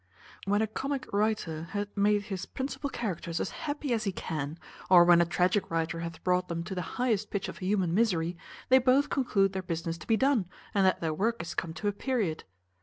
When a comic writer hath made his principal characters as happy as he can, or when a tragic writer hath brought them to the highest pitch of human misery, they both conclude their business to be done, and that their work is come to a period.